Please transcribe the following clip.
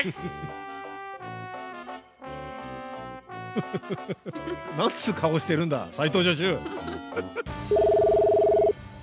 フフフフ何つう顔してるんだ斉藤助手。